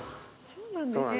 そうなんですよ。